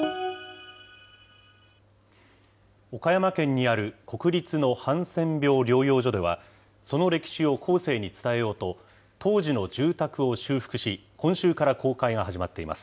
岡山県にある国立のハンセン病療養所では、その歴史を後世に伝えようと、当時の住宅を修復し、今週から公開が始まっています。